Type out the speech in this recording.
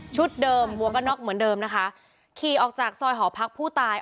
เดิมหมวกกันน็อกเหมือนเดิมนะคะขี่ออกจากซอยหอพักผู้ตาย